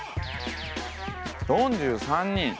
４３人。